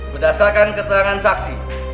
berdasarkan keterangan saksi